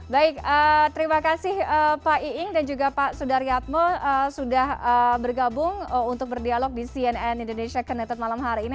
baik terima kasih pak iing dan juga pak sudaryatmo sudah bergabung untuk berdialog di cnn indonesia connected malam hari ini